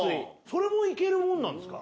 それもいけるもんなんですか？